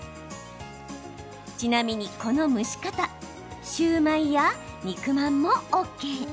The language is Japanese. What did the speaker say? ちなみに、この蒸し方シューマイや肉まんもＯＫ。